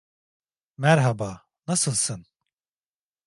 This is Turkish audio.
Merhaba, nasılsın?